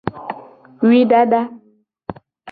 Wui dada.